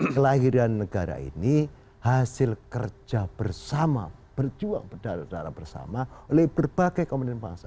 kelahiran negara ini hasil kerja bersama berjuang berdarah darah bersama oleh berbagai komponen bangsa